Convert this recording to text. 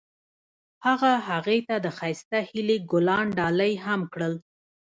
هغه هغې ته د ښایسته هیلې ګلان ډالۍ هم کړل.